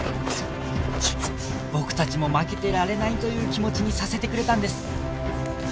僕たちも負けていられないという気持ちにさせてくれたんです